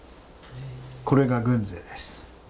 これが郡是です。